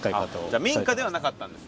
じゃあ民家ではなかったんですね。